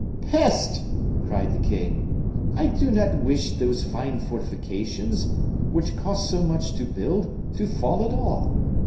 "Peste!" cried the king; "I do not wish those fine fortifications, which cost so much to build, to fall at all.